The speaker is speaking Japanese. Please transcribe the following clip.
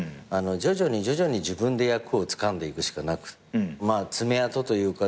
徐々に徐々に自分で役をつかんでいくしかなく爪痕というか。